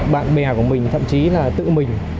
bạn bè của mình thậm chí là tự mình